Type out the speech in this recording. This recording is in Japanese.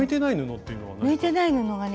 向いてない布がね